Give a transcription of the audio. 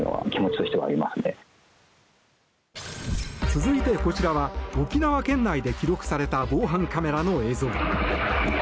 続いてこちらは沖縄県内で記録された防犯カメラの映像。